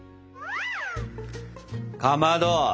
かまど！